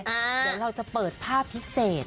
เดี๋ยวเราจะเปิดภาพพิเศษ